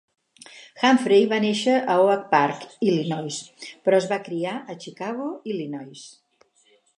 Humphrey va néixer a Oak Park, Illinois, però es va criar a Chicago, Illinois.